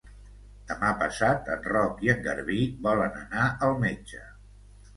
Demà passat en Roc i en Garbí volen anar al metge.